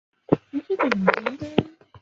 范氏姮是嘉定省新和县新年东村出生。